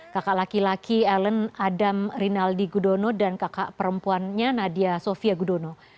kakak laki laki ellen adam rinaldi gudono dan kakak perempuannya nadia sofia gudono